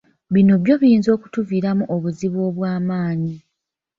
Bino byo biyinza okutuviiramu obuzibu obw'amaanyi.